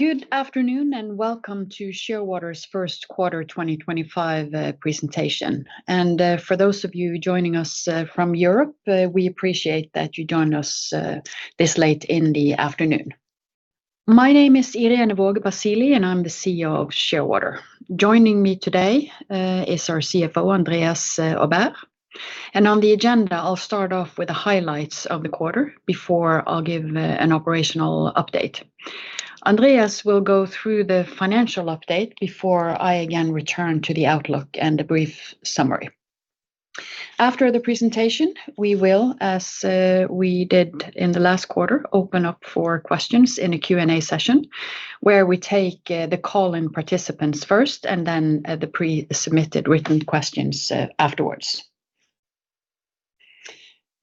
Good afternoon and welcome to Shearwater's first quarter 2025 presentation. And for those of you joining us from Europe, we appreciate that you join us this late in the afternoon. My name is Irene Waage Basili, and I'm the CEO of Shearwater. Joining me today is our CFO, Andreas Aubert. And on the agenda, I'll start off with the highlights of the quarter before I'll give an operational update. Andreas will go through the financial update before I again return to the outlook and a brief summary. After the presentation, we will, as we did in the last quarter, open up for questions in a Q&A session where we take the call-in participants first and then the pre-submitted written questions afterwards.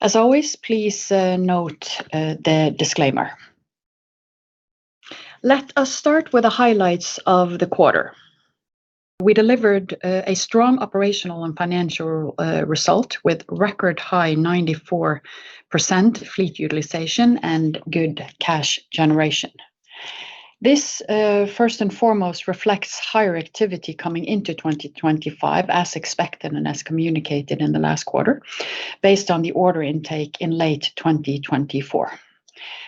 As always, please note the disclaimer. Let us start with the highlights of the quarter. We delivered a strong operational and financial result with record high 94% fleet utilization and good cash generation. This first and foremost reflects higher activity coming into 2025, as expected and as communicated in the last quarter based on the order intake in late 2024.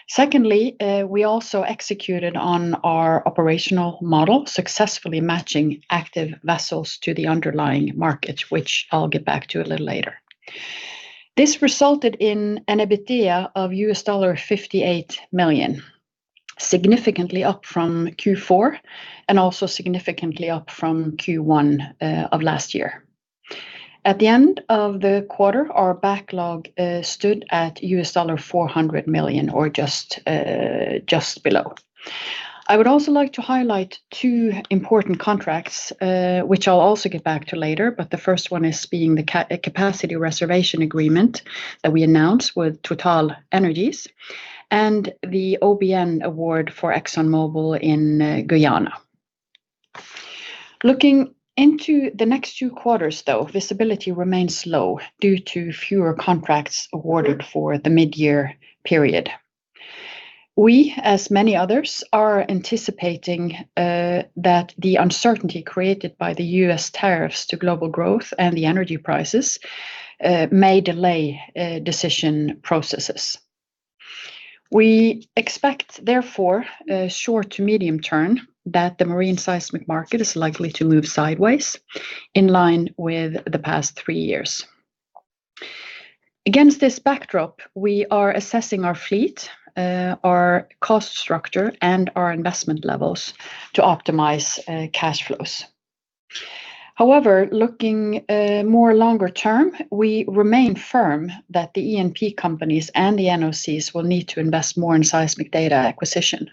Secondly, we also executed on our operational model, successfully matching active vessels to the underlying market, which I'll get back to a little later. This resulted in an EBITDA of $58 million, significantly up from Q4 and also significantly up from Q1 of last year. At the end of the quarter, our backlog stood at $400 million, or just below. I would also like to highlight two important contracts, which I'll also get back to later, but the first one is being the capacity reservation agreement that we announced with TotalEnergies and the OBN award for ExxonMobil in Guyana. Looking into the next two quarters, though, visibility remains low due to fewer contracts awarded for the mid-year period. We, as many others, are anticipating that the uncertainty created by the U.S. tariffs to global growth and the energy prices may delay decision processes. We expect, therefore, short to medium term that the marine seismic market is likely to move sideways in line with the past three years. Against this backdrop, we are assessing our fleet, our cost structure, and our investment levels to optimize cash flows. However, looking more longer term, we remain firm that the E&P companies and the NOCs will need to invest more in seismic data acquisition.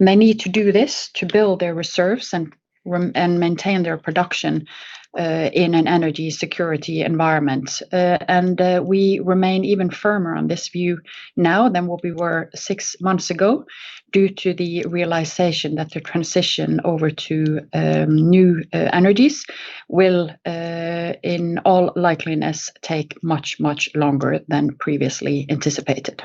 They need to do this to build their reserves and maintain their production in an energy security environment. We remain even firmer on this view now than what we were six months ago due to the realization that the transition over to new energies will, in all likelihood, take much, much longer than previously anticipated.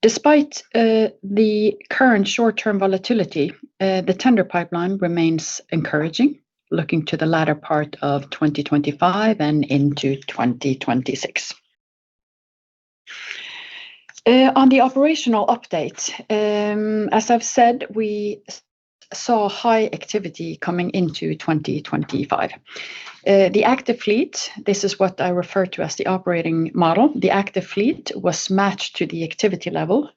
Despite the current short-term volatility, the tender pipeline remains encouraging, looking to the latter part of 2025 and into 2026. On the operational update, as I've said, we saw high activity coming into 2025. The active fleet, this is what I refer to as the operating model, the active fleet was matched to the activity level,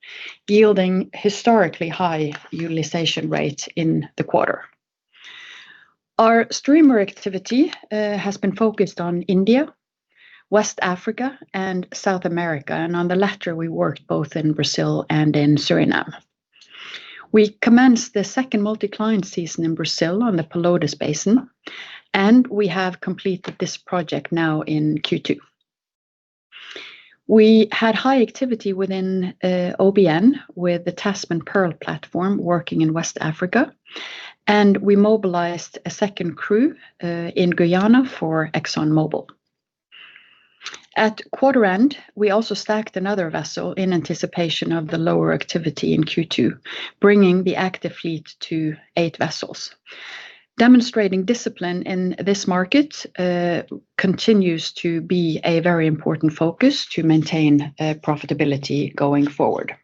yielding historically high utilization rates in the quarter. Our streamer activity has been focused on India, West Africa, and South America, and on the latter, we worked both in Brazil and in Suriname. We commenced the second multi-client season in Brazil on the Pelotas Basin, and we have completed this project now in Q2. We had high activity within OBN with the Tasman/Pearl platform working in West Africa, and we mobilized a second crew in Guyana for ExxonMobil. At quarter end, we also stacked another vessel in anticipation of the lower activity in Q2, bringing the active fleet to eight vessels. Demonstrating discipline in this market continues to be a very important focus to maintain profitability going forward.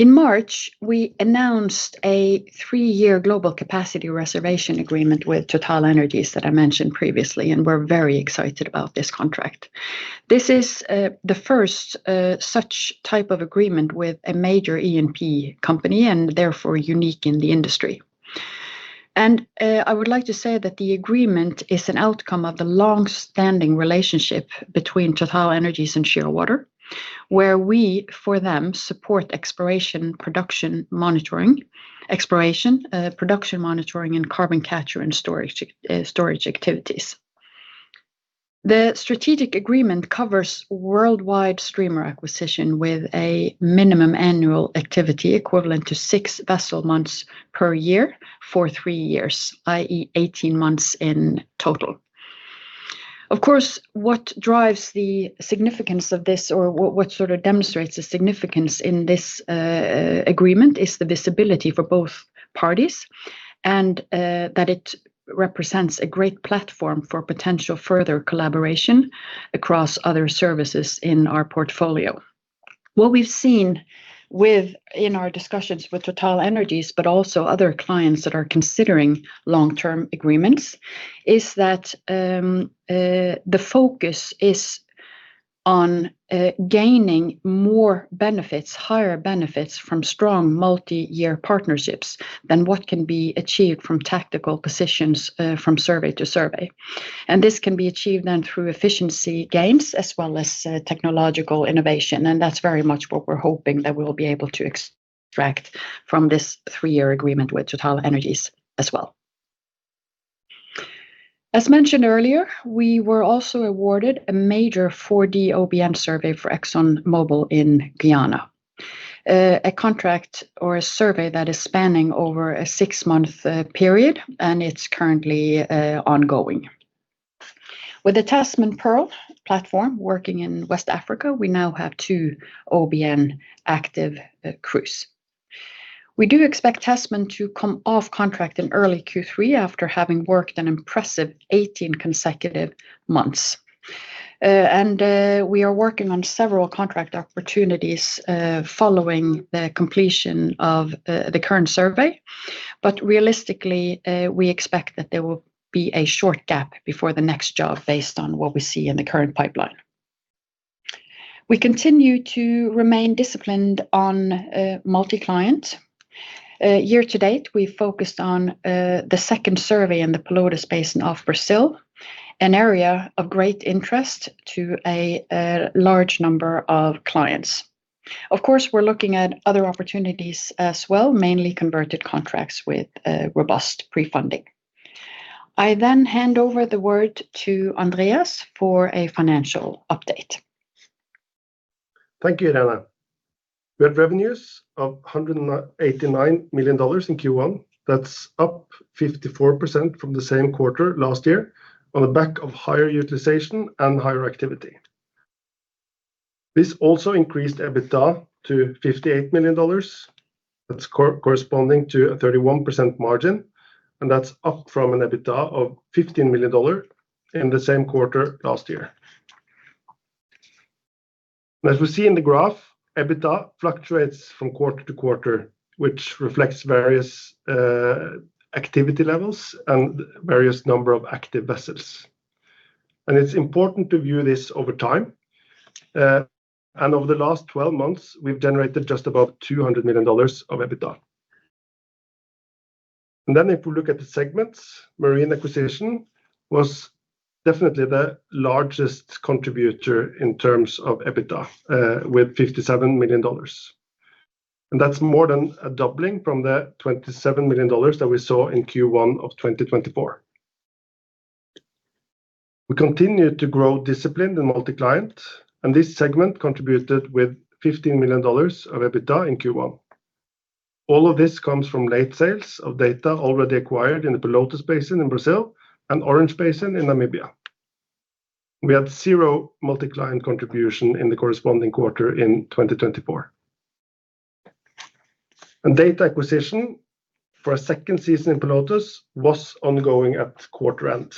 In March, we announced a three-year global capacity reservation agreement with TotalEnergies that I mentioned previously, and we're very excited about this contract. This is the first such type of agreement with a major E&P company and therefore unique in the industry. I would like to say that the agreement is an outcome of the long-standing relationship between TotalEnergies and Shearwater, where we for them support exploration, production monitoring, and carbon capture and storage activities. The strategic agreement covers worldwide streamer acquisition with a minimum annual activity equivalent to six vessel months per year for three years, i.e., 18 months in total. Of course, what drives the significance of this, or what sort of demonstrates the significance in this agreement, is the visibility for both parties and that it represents a great platform for potential further collaboration across other services in our portfolio. What we've seen in our discussions with TotalEnergies, but also other clients that are considering long-term agreements, is that the focus is on gaining more benefits, higher benefits from strong multi-year partnerships than what can be achieved from tactical positions from survey to survey. This can be achieved then through efficiency gains as well as technological innovation. That's very much what we're hoping that we'll be able to extract from this three-year agreement with TotalEnergies as well. As mentioned earlier, we were also awarded a major 4D OBN survey ExxonMobil in Guyana, a contract or a survey that is spanning over a six-month period, and it's currently ongoing. With the Tasman/Pearl platform working in West Africa, we now have two OBN active crews. We do expect Tasman to come off contract in early Q3 after having worked an impressive 18 consecutive months, and we are working on several contract opportunities following the completion of the current survey, but realistically, we expect that there will be a short gap before the next job based on what we see in the current pipeline. We continue to remain disciplined on multi-client. Year to date, we've focused on the second survey in the Pelotas Basin of Brazil, an area of great interest to a large number of clients. Of course, we're looking at other opportunities as well, mainly converted contracts with robust pre-funding. I then hand over the word to Andreas for a financial update. Thank you, Irene. We had revenues of $189 million in Q1. That's up 54% from the same quarter last year on the back of higher utilization and higher activity. This also increased EBITDA to $58 million. That's corresponding to a 31% margin, and that's up from an EBITDA of $15 million in the same quarter last year. As we see in the graph, EBITDA fluctuates from quarter to quarter, which reflects various activity levels and various numbers of active vessels, and it's important to view this over time and over the last 12 months, we've generated just above $200 million of EBITDA, and then if we look at the segments, marine acquisition was definitely the largest contributor in terms of EBITDA with $57 million, and that's more than a doubling from the $27 million that we saw in Q1 of 2024. We continue to grow disciplined and multi-client, and this segment contributed with $15 million of EBITDA in Q1. All of this comes from late sales of data already acquired in the Pelotas Basin in Brazil and Orange Basin in Namibia. We had zero multi-client contribution in the corresponding quarter in 2024, and data acquisition for a second season in Pelotas was ongoing at quarter end.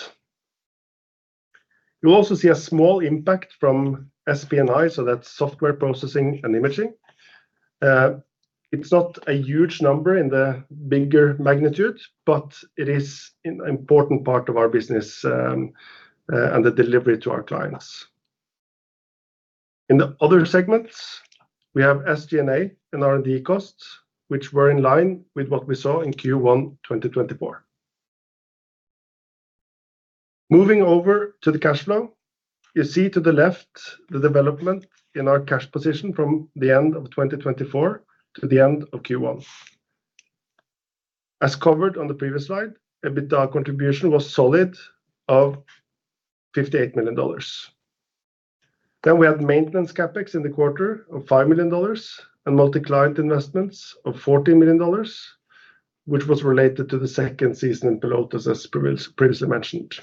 You'll also see a small impact from SP&I, so that's software processing and imaging. It's not a huge number in the bigger magnitude, but it is an important part of our business and the delivery to our clients. In the other segments, we have SG&A and R&D costs, which were in line with what we saw in Q1 2024. Moving over to the cash flow, you see to the left the development in our cash position from the end of 2024 to the end of Q1. As covered on the previous slide, EBITDA contribution was solid of $58 million. Then we had maintenance CapEx in the quarter of $5 million and multi-client investments of $14 million, which was related to the second season in Pelotas, as previously mentioned.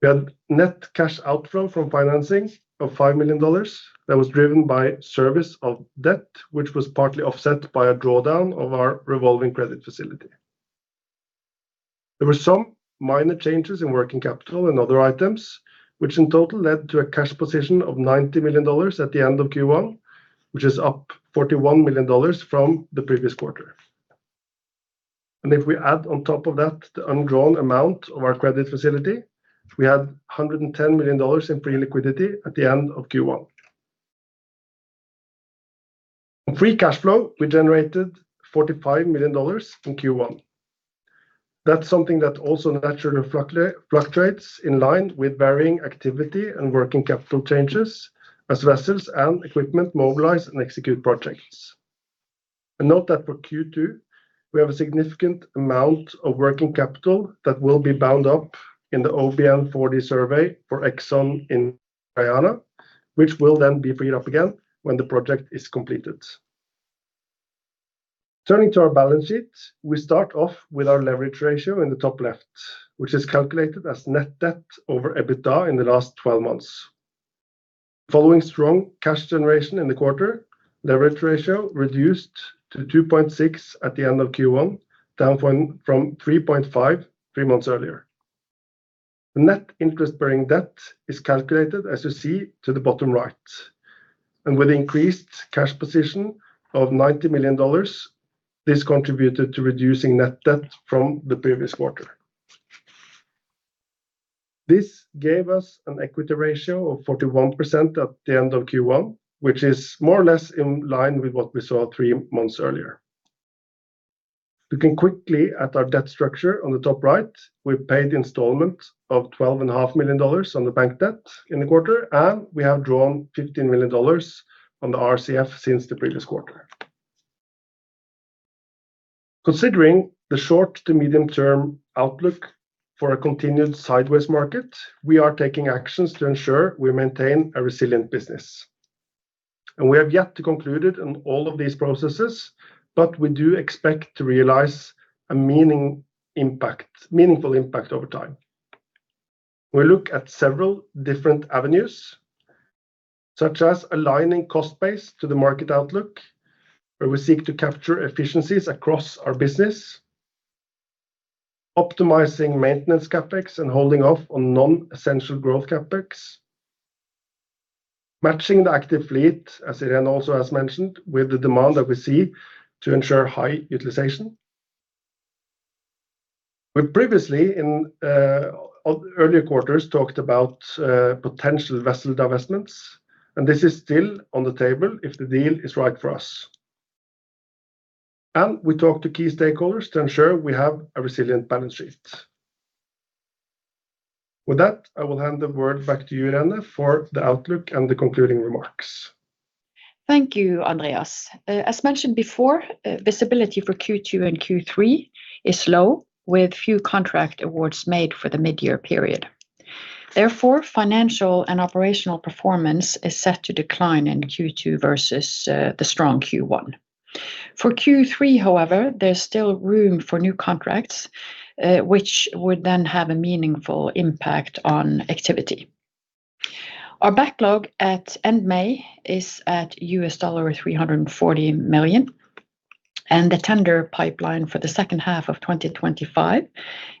We had net cash outflow from financing of $5 million that was driven by servicing of debt, which was partly offset by a drawdown of our revolving credit facility. There were some minor changes in working capital and other items, which in total led to a cash position of $90 million at the end of Q1, which is up $41 million from the previous quarter. And if we add on top of that the undrawn amount of our credit facility, we had $110 million in free liquidity at the end of Q1. In free cash flow, we generated $45 million in Q1. That's something that also naturally fluctuates in line with varying activity and working capital changes as vessels and equipment mobilize and execute projects. And note that for Q2, we have a significant amount of working capital that will be bound up in the OBN 4D survey for Exxon in Guyana, which will then be freed up again when the project is completed. Turning to our balance sheet, we start off with our leverage ratio in the top left, which is calculated as net debt over EBITDA in the last 12 months. Following strong cash generation in the quarter, leverage ratio reduced to 2.6 at the end of Q1, down from 3.5 three months earlier. The net interest-bearing debt is calculated, as you see, to the bottom right. And with increased cash position of $90 million, this contributed to reducing net debt from the previous quarter. This gave us an equity ratio of 41% at the end of Q1, which is more or less in line with what we saw three months earlier. Looking quickly at our debt structure on the top right, we paid installment of $12.5 million on the bank debt in the quarter, and we have drawn $15 million on the RCF since the previous quarter. Considering the short to medium-term outlook for a continued sideways market, we are taking actions to ensure we maintain a resilient business. We have yet to conclude all of these processes, but we do expect to realize a meaningful impact over time. We look at several different avenues, such as aligning cost base to the market outlook, where we seek to capture efficiencies across our business, optimizing maintenance CapEx and holding off on non-essential growth CapEx, matching the active fleet, as Irene also has mentioned, with the demand that we see to ensure high utilization. We previously, in earlier quarters, talked about potential vessel divestments, and this is still on the table if the deal is right for us. We talked to key stakeholders to ensure we have a resilient balance sheet. With that, I will hand the word back to you, Irene, for the outlook and the concluding remarks. Thank you, Andreas. As mentioned before, visibility for Q2 and Q3 is low, with few contract awards made for the mid-year period. Therefore, financial and operational performance is set to decline in Q2 versus the strong Q1. For Q3, however, there's still room for new contracts, which would then have a meaningful impact on activity. Our backlog at end May is at $340 million, and the tender pipeline for the second half of 2025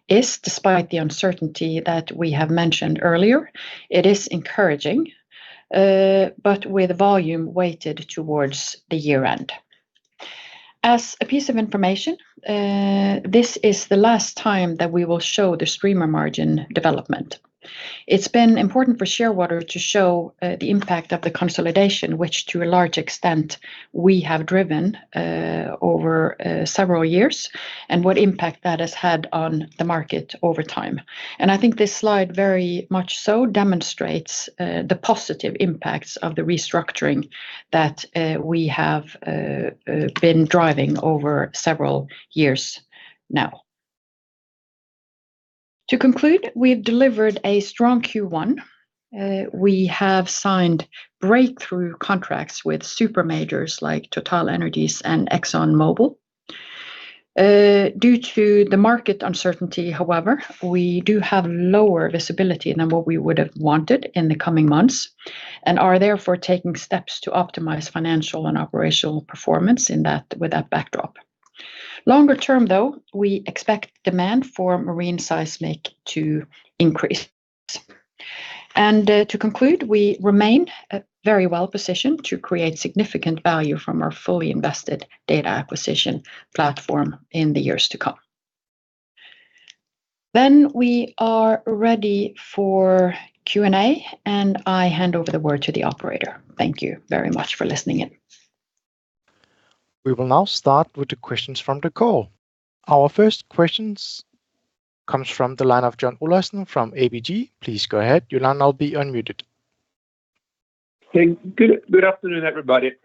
is, despite the uncertainty that we have mentioned earlier, encouraging, but with volume weighted towards the year-end. As a piece of information, this is the last time that we will show the streamer margin development. It's been important for Shearwater to show the impact of the consolidation, which to a large extent we have driven over several years, and what impact that has had on the market over time. I think this slide very much so demonstrates the positive impacts of the restructuring that we have been driving over several years now. To conclude, we've delivered a strong Q1. We have signed breakthrough contracts with supermajors like TotalEnergies and ExxonMobil. due to the market uncertainty, however, we do have lower visibility than what we would have wanted in the coming months and are therefore taking steps to optimize financial and operational performance with that backdrop. Longer term, though, we expect demand for marine seismic to increase. And to conclude, we remain very well positioned to create significant value from our fully invested data acquisition platform in the years to come. Then we are ready for Q&A, and I hand over the word to the operator. Thank you very much for listening in. We will now start with the questions from the call. Our first question comes from the line of John Olaisen from ABG. Please go ahead, John, I'll be unmuted. Good afternoon, everybody.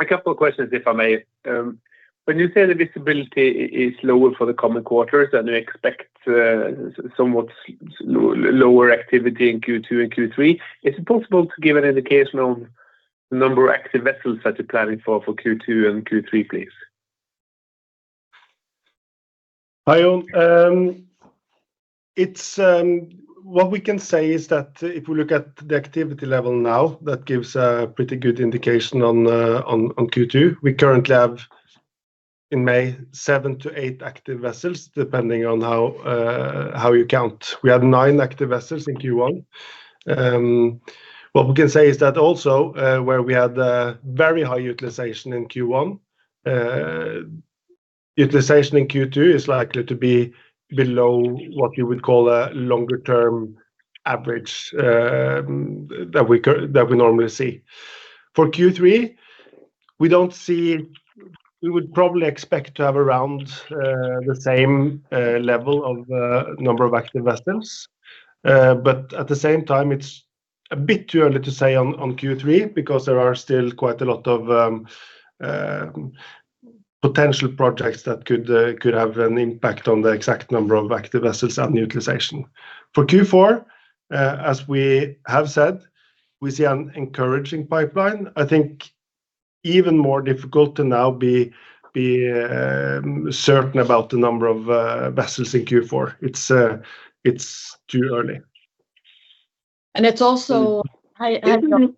A couple of questions, if I may. When you say the visibility is lower for the coming quarters and you expect somewhat lower activity in Q2 and Q3, is it possible to give an indication on the number of active vessels that you're planning for Q2 and Q3, please? Hi, John. What we can say is that if we look at the activity level now, that gives a pretty good indication on Q2. We currently have, in May, seven to eight active vessels, depending on how you count. We had nine active vessels in Q1. What we can say is that also, where we had very high utilization in Q1, utilization in Q2 is likely to be below what you would call a longer-term average that we normally see. For Q3, we would probably expect to have around the same level of number of active vessels. But at the same time, it's a bit too early to say on Q3 because there are still quite a lot of potential projects that could have an impact on the exact number of active vessels and utilization. For Q4, as we have said, we see an encouraging pipeline. I think even more difficult to now be certain about the number of vessels in Q4. It's too early. And it's also, Irene,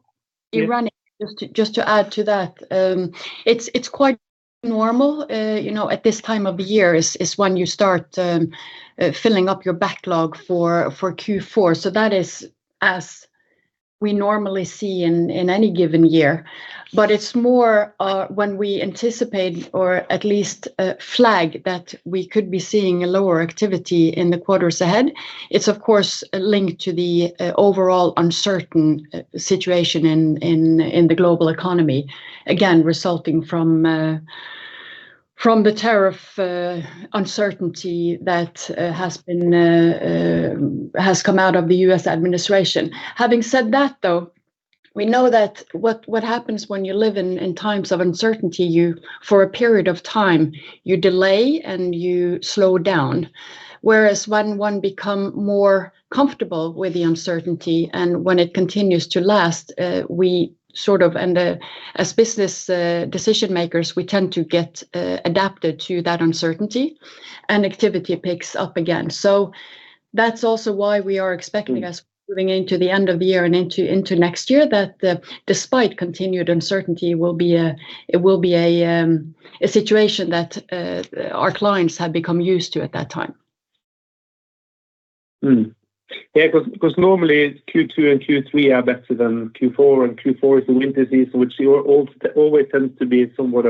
just to add to that, it's quite normal at this time of year is when you start filling up your backlog for Q4. So that is as we normally see in any given year. But it's more when we anticipate, or at least flag, that we could be seeing a lower activity in the quarters ahead. It's, of course, linked to the overall uncertain situation in the global economy, again, resulting from the tariff uncertainty that has come out of the U.S. administration. Having said that, though, we know that what happens when you live in times of uncertainty, for a period of time, you delay and you slow down. Whereas when one becomes more comfortable with the uncertainty and when it continues to last, we sort of, as business decision-makers, we tend to get adapted to that uncertainty and activity picks up again. So that's also why we are expecting, as we're moving into the end of the year and into next year, that despite continued uncertainty, it will be a situation that our clients have become used to at that time. Yeah, because normally Q2 and Q3 are better than Q4, and Q4 is the winter season, which always tends to be somewhat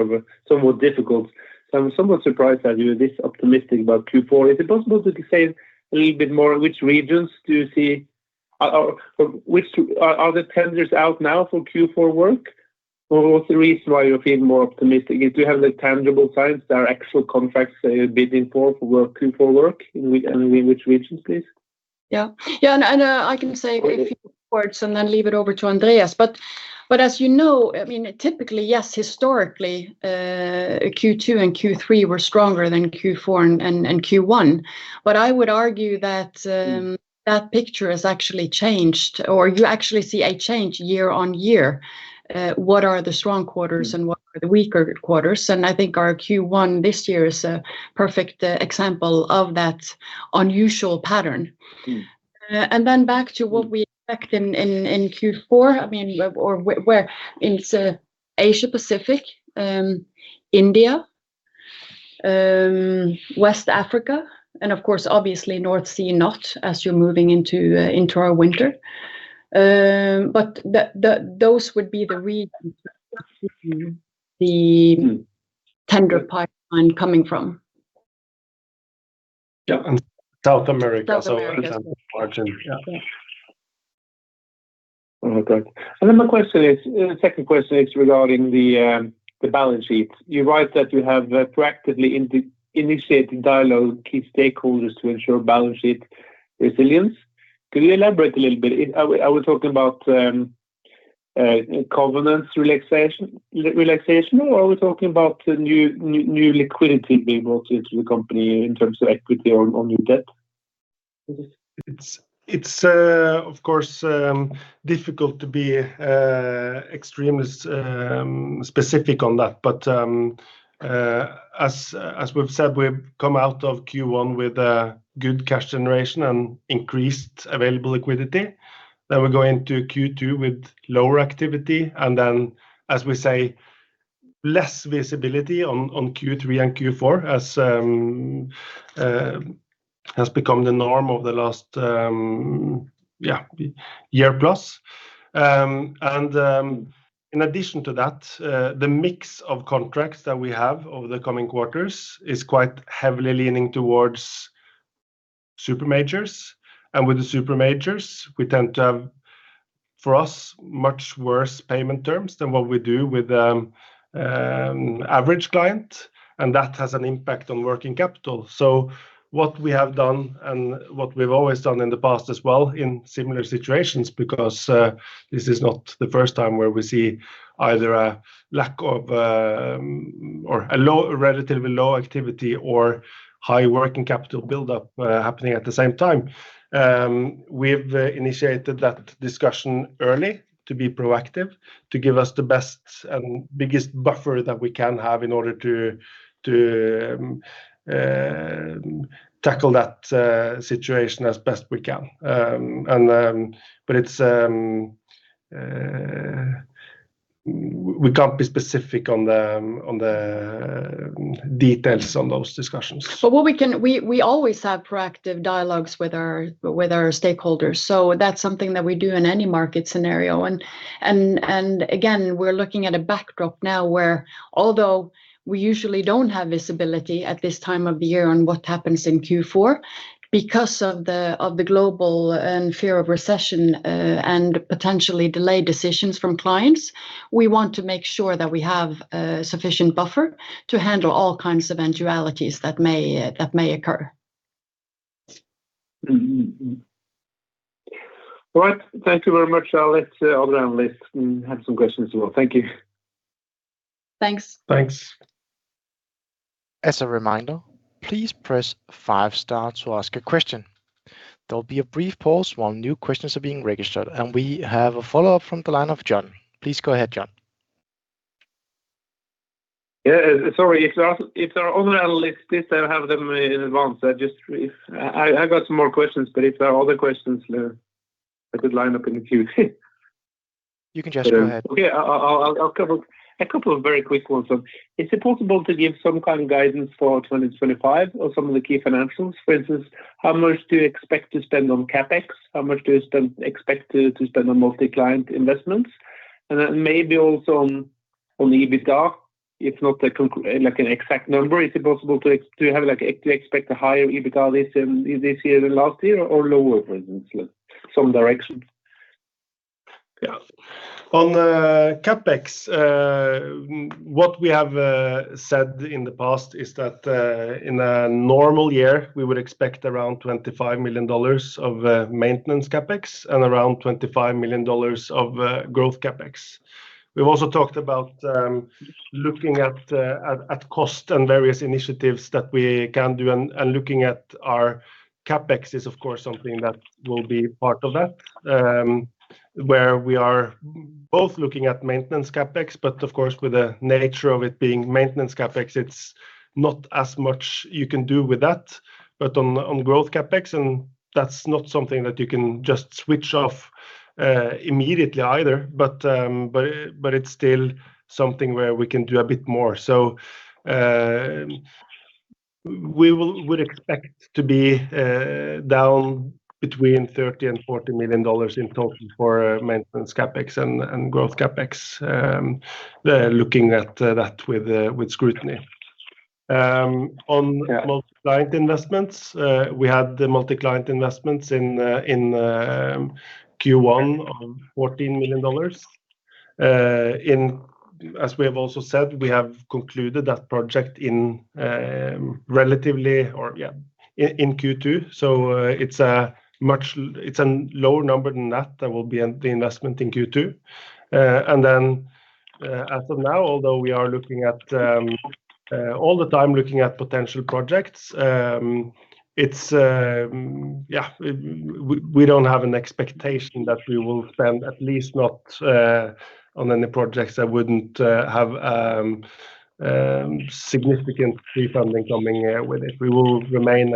difficult. So I'm somewhat surprised that you're this optimistic about Q4. Is it possible to say a little bit more which regions do you see? Are the tenders out now for Q4 work? What's the reason why you're feeling more optimistic? Do you have the tangible signs that are actual contracts bidding for Q4 work? In which regions, please? Yeah, yeah, and I can say a few words and then leave it over to Andreas. But as you know, I mean, typically, yes, historically, Q2 and Q3 were stronger than Q4 and Q1. I would argue that that picture has actually changed, or you actually see a change year on year. What are the strong quarters and what are the weaker quarters? I think our Q1 this year is a perfect example of that unusual pattern. Then back to what we expect in Q4, I mean, or where it's Asia-Pacific, India, West Africa, and of course, obviously North Sea, not as you're moving into our winter. Those would be the regions where we see the tender pipeline coming from. Yeah, and South America, so Atlantic Margin. Yeah. And then my question is, the second question is regarding the balance sheet. You write that you have proactively initiated dialogue with key stakeholders to ensure balance sheet resilience. Could you elaborate a little bit? Are we talking about covenants relaxation, or are we talking about new liquidity being brought into the company in terms of equity or new debt? It's, of course, difficult to be extremely specific on that, but as we've said, we've come out of Q1 with good cash generation and increased available liquidity, then we're going to Q2 with lower activity, and then, as we say, less visibility on Q3 and Q4, as has become the norm of the last, yeah, year plus, and in addition to that, the mix of contracts that we have over the coming quarters is quite heavily leaning towards super majors. And with the super majors, we tend to have, for us, much worse payment terms than what we do with average clients, and that has an impact on working capital. What we have done and what we've always done in the past as well in similar situations, because this is not the first time where we see either a lack of or a relatively low activity or high working capital buildup happening at the same time. We've initiated that discussion early to be proactive, to give us the best and biggest buffer that we can have in order to tackle that situation as best we can. But we can't be specific on the details on those discussions. We always have proactive dialogues with our stakeholders. So that's something that we do in any market scenario. And again, we're looking at a backdrop now where, although we usually don't have visibility at this time of year on what happens in Q4, because of the global fear of recession and potentially delayed decisions from clients, we want to make sure that we have sufficient buffer to handle all kinds of eventualities that may occur. All right, thank you very much. I'll let other analysts have some questions as well. Thank you. Thanks. Thanks. As a reminder, please press five stars to ask a question. There'll be a brief pause while new questions are being registered, and we have a follow-up from the line of John. Please go ahead, John. Yeah, sorry, if there are other analysts, please have them in advance. I just, I've got some more questions, but if there are other questions, I could line up in the queue. You can just go ahead. Okay, I'll cover a couple of very quick ones. Is it possible to give some kind of guidance for 2025 or some of the key financials? For instance, how much do you expect to spend on CapEx? How much do you expect to spend on multi-client investments? And then maybe also on EBITDA, if not an exact number, is it possible to expect a higher EBITDA this year than last year or lower, for instance, some direction? Yeah, on CapEx, what we have said in the past is that in a normal year, we would expect around $25 million of maintenance CapEx and around $25 million of growth CapEx. We've also talked about looking at cost and various initiatives that we can do, and looking at our CapEx is, of course, something that will be part of that, where we are both looking at maintenance CapEx, but of course, with the nature of it being maintenance CapEx, it's not as much you can do with that. But on growth CapEx, and that's not something that you can just switch off immediately either, but it's still something where we can do a bit more. So we would expect to be down between $30 and $40 million in total for maintenance CapEx and growth CapEx, looking at that with scrutiny. On multi-client investments, we had multi-client investments in Q1 of $14 million. As we have also said, we have concluded that project relatively, or yeah, in Q2. So it's a lower number than that will be the investment in Q2. And then as of now, although we are looking all the time at potential projects, yeah, we don't have an expectation that we will spend at least not on any projects that wouldn't have significant refunding coming with it. We will remain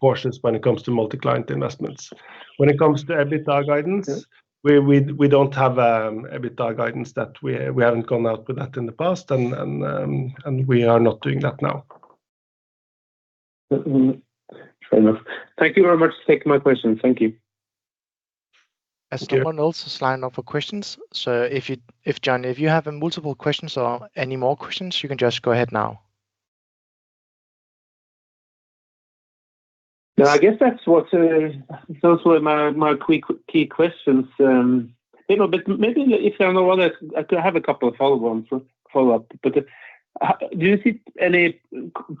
cautious when it comes to multi-client investments. When it comes to EBITDA guidance, we don't have EBITDA guidance that we haven't gone out with that in the past, and we are not doing that now. Fair enough. Thank you very much for taking my questions. Thank you. Has anyone else's line of questions? So if, John, if you have multiple questions or any more questions, you can just go ahead now. No, I guess that's what my key questions. Maybe if there are no others, I could have a couple of follow-ups. But do you see any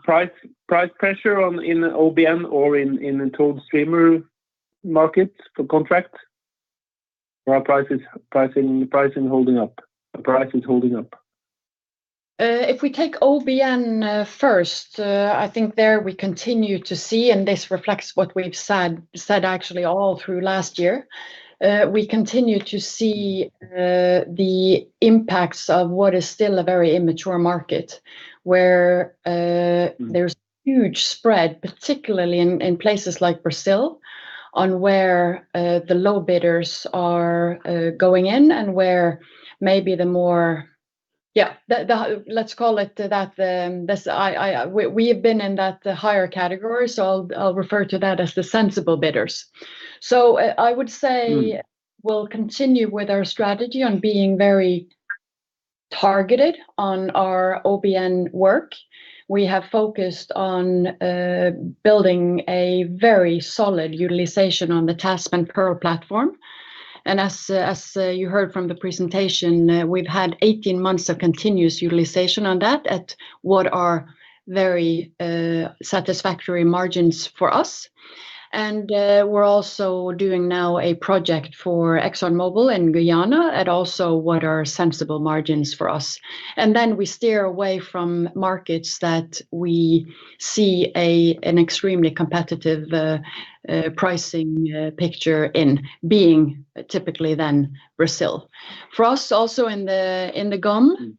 price pressure in OBN or in the towed streamer market for contract? Or are prices holding up? Are prices holding up? If we take OBN first, I think there we continue to see, and this reflects what we've said actually all through last year, we continue to see the impacts of what is still a very immature market, where there's huge spread, particularly in places like Brazil, on where the low bidders are going in and where maybe the more, yeah, let's call it that we have been in that higher category, so I'll refer to that as the sensible bidders. So I would say we'll continue with our strategy on being very targeted on our OBN work. We have focused on building a very solid utilization on the Tasman/Pearl platform, and as you heard from the presentation, we've had 18 months of continuous utilization on that at what are very satisfactory margins for us. We're also doing now a project ExxonMobil in Guyana at also what are sensible margins for us. And then we steer away from markets that we see an extremely competitive pricing picture in, being typically then Brazil. For us also in the GOM,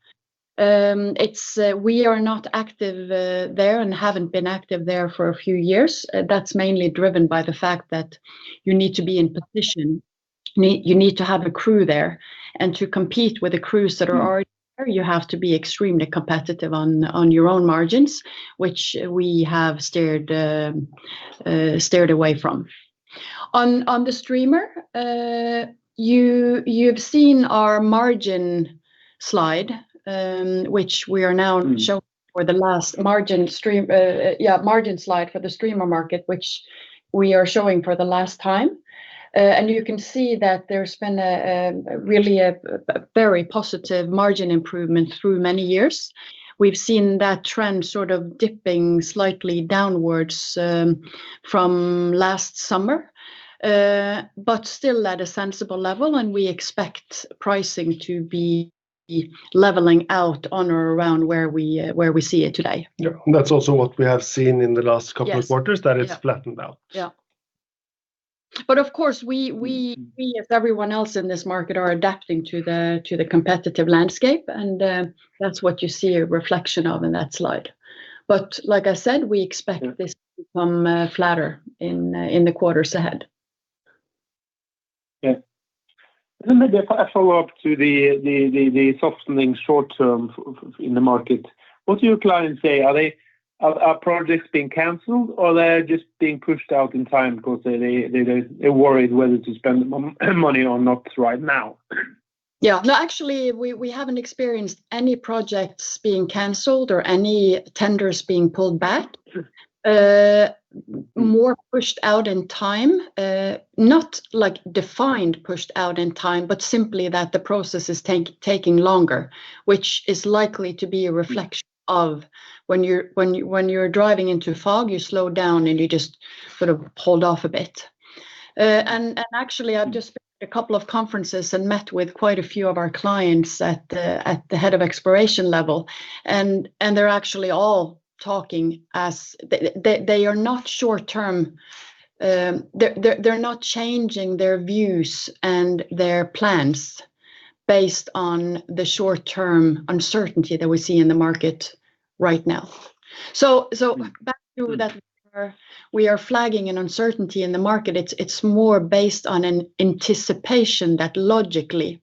we are not active there and haven't been active there for a few years. That's mainly driven by the fact that you need to be in position. You need to have a crew there. And to compete with the crews that are already there, you have to be extremely competitive on your own margins, which we have steered away from. On the streamer, you've seen our margin slide, which we are now showing for the last margin slide for the streamer market, which we are showing for the last time. You can see that there's been really a very positive margin improvement through many years. We've seen that trend sort of dipping slightly downwards from last summer, but still at a sensible level, and we expect pricing to be leveling out on or around where we see it today. Yeah, and that's also what we have seen in the last couple of quarters, that it's flattened out. Yeah, but of course, we, as everyone else in this market, are adapting to the competitive landscape, and that's what you see a reflection of in that slide, but like I said, we expect this to become flatter in the quarters ahead. Yeah. Maybe a follow-up to the softening short term in the market. What do your clients say? Are projects being canceled, or are they just being pushed out in time because they're worried whether to spend money or not right now? Yeah, no, actually, we haven't experienced any projects being canceled or any tenders being pulled back. More pushed out in time, not defined pushed out in time, but simply that the process is taking longer, which is likely to be a reflection of when you're driving into fog, you slow down and you just sort of hold off a bit. And actually, I've just been to a couple of conferences and met with quite a few of our clients at the head of exploration level, and they're actually all talking as they are not short term. They're not changing their views and their plans based on the short term uncertainty that we see in the market right now. So back to that, we are flagging an uncertainty in the market. It's more based on an anticipation that logically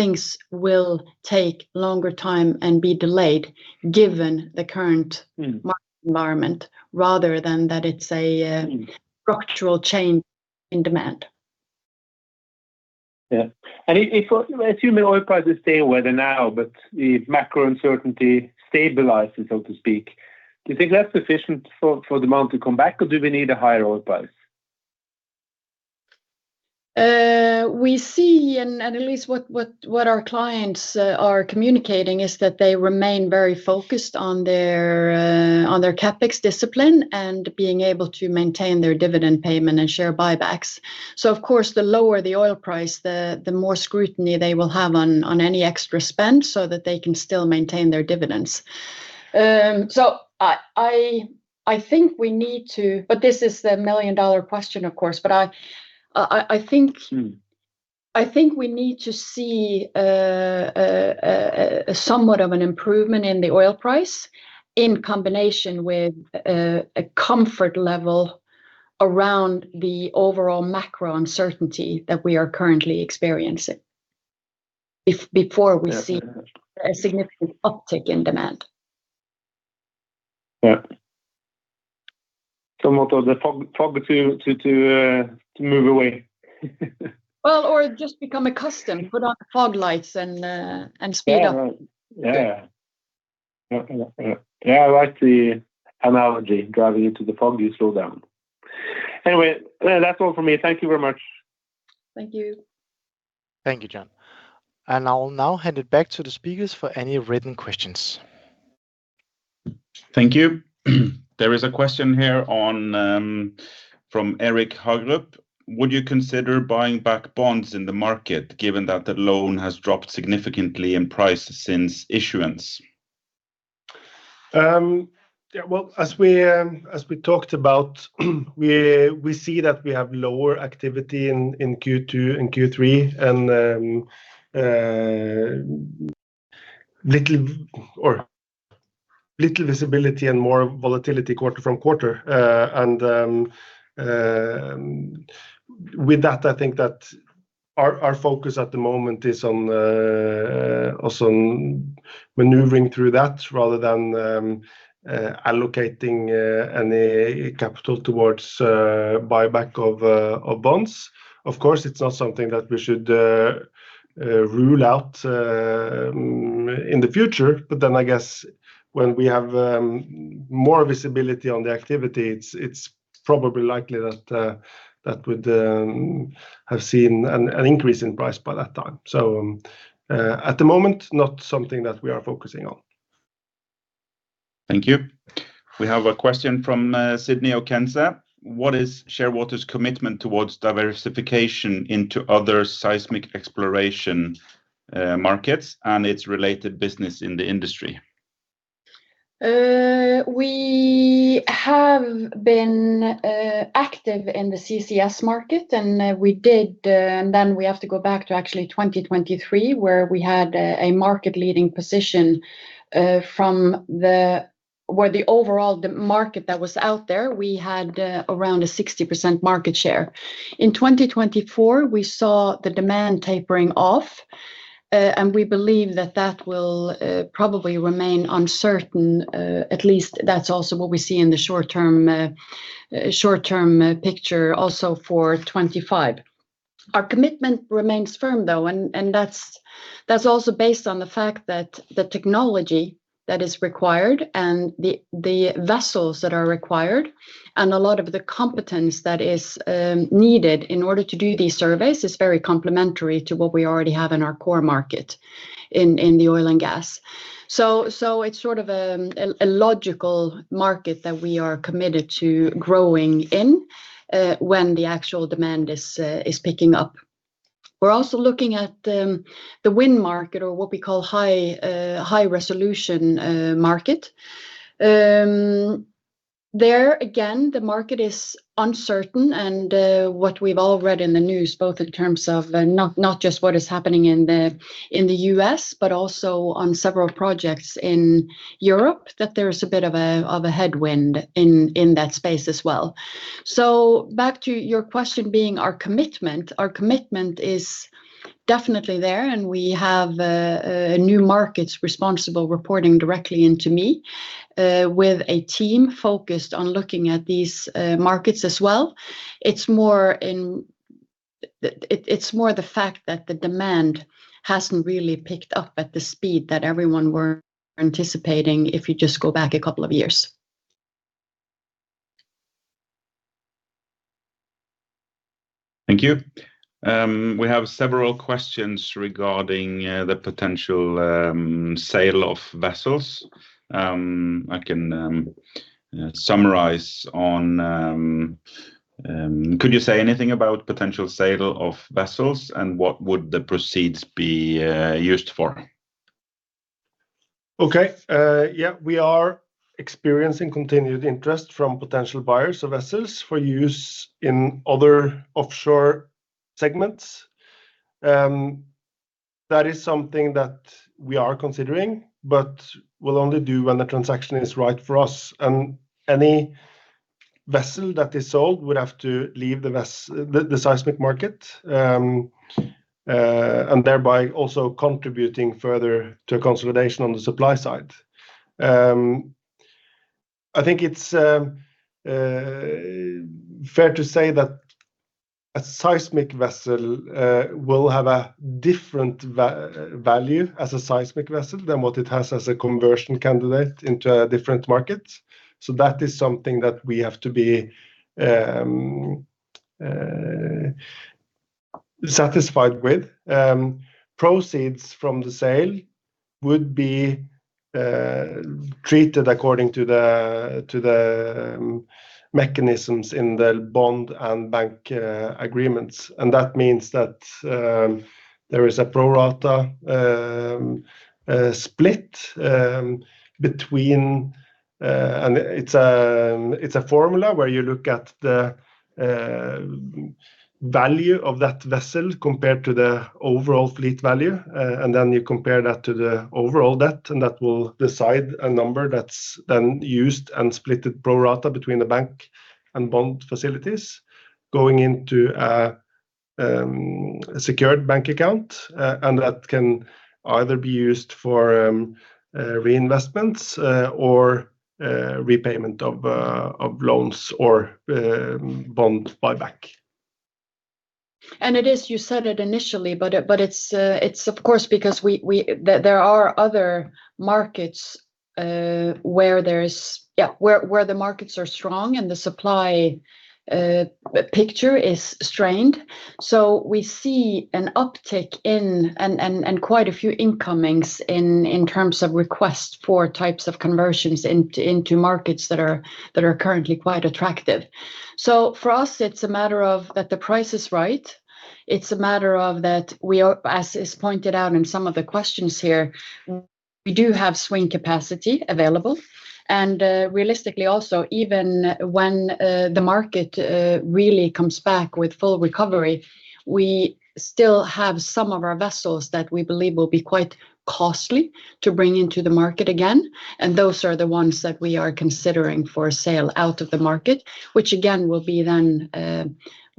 things will take longer time and be delayed given the current market environment, rather than that it's a structural change in demand. Yeah. And if assuming oil prices stay where they're now, but if macro uncertainty stabilizes, so to speak, do you think that's sufficient for demand to come back, or do we need a higher oil price? We see, and at least what our clients are communicating is that they remain very focused on their CapEx discipline and being able to maintain their dividend payment and share buybacks. So of course, the lower the oil price, the more scrutiny they will have on any extra spend so that they can still maintain their dividends. So I think we need to, but this is the million dollar question, of course, but I think we need to see somewhat of an improvement in the oil price in combination with a comfort level around the overall macro uncertainty that we are currently experiencing before we see a significant uptick in demand. Yeah. Some sort of fog to move away. Or just become accustomed, put on fog lights and speed up. Yeah. Yeah, I like the analogy. Driving into the fog, you slow down. Anyway, that's all from me. Thank you very much. Thank you. Thank you, John, and I'll now hand it back to the speakers for any written questions. Thank you. There is a question here from Erik Hagerup. Would you consider buying back bonds in the market given that the bond has dropped significantly in price since issuance? Yeah, well, as we talked about, we see that we have lower activity in Q2 and Q3 and little visibility and more volatility quarter to quarter. And with that, I think that our focus at the moment is on maneuvering through that rather than allocating any capital towards buyback of bonds. Of course, it's not something that we should rule out in the future, but then I guess when we have more visibility on the activity, it's probably likely that that would have seen an increase in price by that time. So at the moment, not something that we are focusing on. Thank you. We have a question from Sydney Okenza. What is Shearwater's commitment towards diversification into other seismic exploration markets and its related business in the industry? We have been active in the CCS market, and we did, and then we have to go back to actually 2023, where we had a market-leading position from where the overall market that was out there. We had around a 60% market share. In 2024, we saw the demand tapering off, and we believe that that will probably remain uncertain. At least that's also what we see in the short-term picture also for 2025. Our commitment remains firm, though, and that's also based on the fact that the technology that is required and the vessels that are required and a lot of the competence that is needed in order to do these surveys is very complementary to what we already have in our core market in the oil and gas. So it's sort of a logical market that we are committed to growing in when the actual demand is picking up. We're also looking at the wind market or what we call high-resolution market. There, again, the market is uncertain, and what we've all read in the news, both in terms of not just what is happening in the U.S., but also on several projects in Europe, that there's a bit of a headwind in that space as well. So back to your question being our commitment, our commitment is definitely there, and we have new markets responsible reporting directly into me with a team focused on looking at these markets as well. It's more the fact that the demand hasn't really picked up at the speed that everyone were anticipating if you just go back a couple of years. Thank you. We have several questions regarding the potential sale of vessels. I can summarize one: could you say anything about potential sale of vessels and what would the proceeds be used for? Okay. Yeah, we are experiencing continued interest from potential buyers of vessels for use in other offshore segments. That is something that we are considering, but we'll only do when the transaction is right for us, and any vessel that is sold would have to leave the seismic market and thereby also contributing further to consolidation on the supply side. I think it's fair to say that a seismic vessel will have a different value as a seismic vessel than what it has as a conversion candidate into a different market, so that is something that we have to be satisfied with. Proceeds from the sale would be treated according to the mechanisms in the bond and bank agreements. That means that there is a pro-rata split between, and it's a formula where you look at the value of that vessel compared to the overall fleet value, and then you compare that to the overall debt, and that will decide a number that's then used and split pro-rata between the bank and bond facilities going into a secured bank account. That can either be used for reinvestments or repayment of loans or bond buyback. It is, you said it initially, but it's of course because there are other markets where there's, yeah, where the markets are strong and the supply picture is strained. So we see an uptick in and quite a few incomings in terms of requests for types of conversions into markets that are currently quite attractive. So for us, it's a matter of that the price is right. It's a matter of that we, as is pointed out in some of the questions here, we do have swing capacity available, and realistically also, even when the market really comes back with full recovery, we still have some of our vessels that we believe will be quite costly to bring into the market again. Those are the ones that we are considering for sale out of the market, which again will be then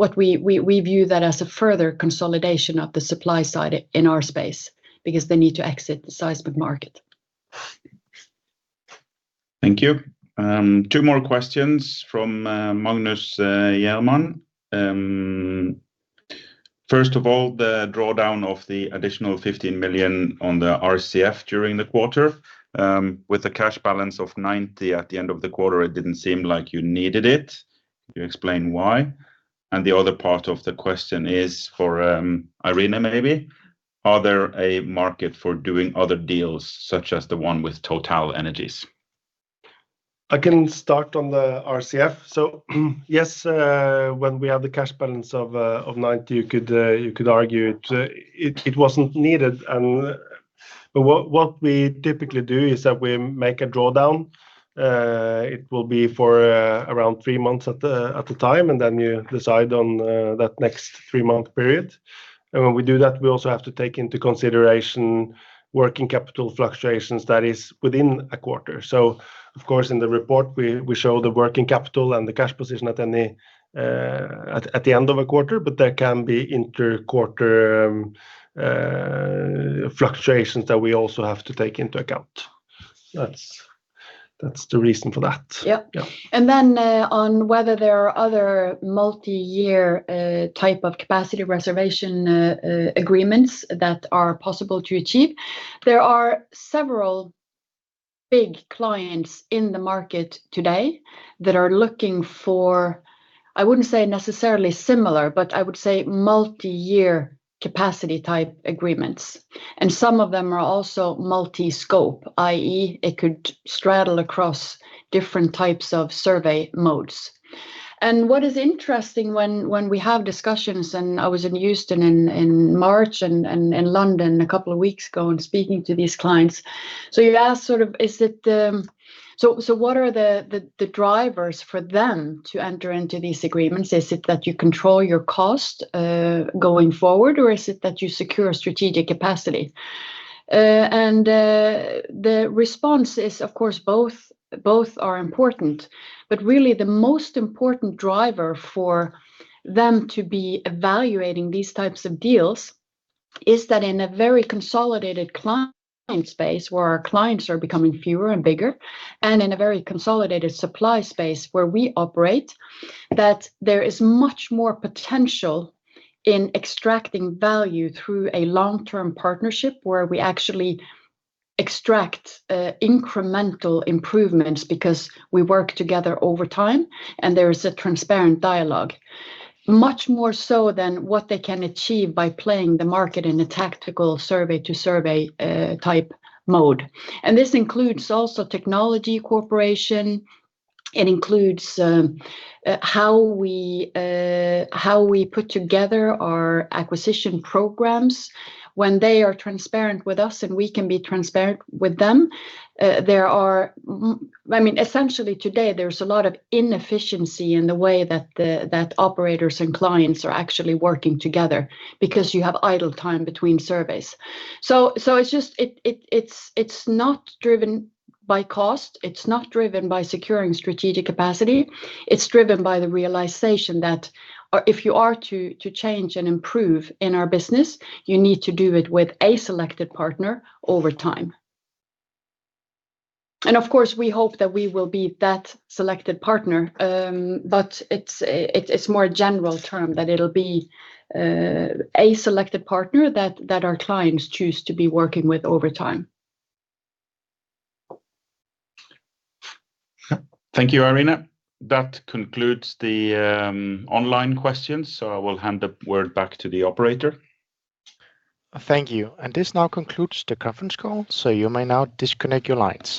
what we view that as a further consolidation of the supply side in our space because they need to exit the seismic market. Thank you. Two more questions from Magnus Jerman. First of all, the drawdown of the additional $15 million on the RCF during the quarter. With a cash balance of $90 million at the end of the quarter, it didn't seem like you needed it. Can you explain why? And the other part of the question is for Irene, maybe. Are there a market for doing other deals such as the one with TotalEnergies? I can start on the RCF. So yes, when we have the cash balance of 90, you could argue it wasn't needed. And what we typically do is that we make a drawdown. It will be for around three months at a time, and then you decide on that next three-month period. And when we do that, we also have to take into consideration working capital fluctuations that is within a quarter. So of course, in the report, we show the working capital and the cash position at the end of a quarter, but there can be interquarter fluctuations that we also have to take into account. That's the reason for that. Yeah, and then on whether there are other multi-year type of capacity reservation agreements that are possible to achieve, there are several big clients in the market today that are looking for. I wouldn't say necessarily similar, but I would say multi-year capacity type agreements. And some of them are also multi-scope, i.e., it could straddle across different types of survey modes. And what is interesting when we have discussions, and I was in Houston in March and in London a couple of weeks ago and speaking to these clients, so you asked sort of, is it, so what are the drivers for them to enter into these agreements? Is it that you control your cost going forward, or is it that you secure strategic capacity? And the response is, of course, both are important, but really the most important driver for them to be evaluating these types of deals is that in a very consolidated client space where our clients are becoming fewer and bigger, and in a very consolidated supply space where we operate, that there is much more potential in extracting value through a long-term partnership where we actually extract incremental improvements because we work together over time and there is a transparent dialogue. Much more so than what they can achieve by playing the market in a tactical survey-to-survey type mode. And this includes also technology cooperation. It includes how we put together our acquisition programs when they are transparent with us and we can be transparent with them. There are, I mean, essentially today, there's a lot of inefficiency in the way that operators and clients are actually working together because you have idle time between surveys. So it's not driven by cost. It's not driven by securing strategic capacity. It's driven by the realization that if you are to change and improve in our business, you need to do it with a selected partner over time. And of course, we hope that we will be that selected partner, but it's more a general term that it'll be a selected partner that our clients choose to be working with over time. Thank you, Irene. That concludes the online questions, so I will hand the word back to the operator. Thank you. And this now concludes the conference call, so you may now disconnect your lines.